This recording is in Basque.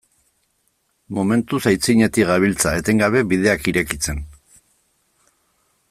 Momentuz aitzinetik gabiltza, etengabe bideak irekitzen.